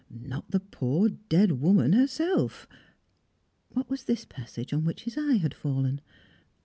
Not the poor dead woman herself What was this passage on which his eye had fallen?